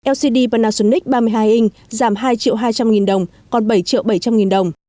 lcd panasonic ba mươi hai inch giảm hai triệu hai trăm linh nghìn đồng còn bảy triệu bảy trăm linh nghìn đồng